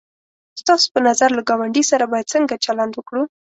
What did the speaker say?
ستاسو په نظر له گاونډي سره باید څنگه چلند وکړو؟